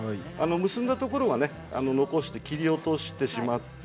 結んだところは切り落としてしまって。